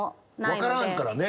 分からんからね。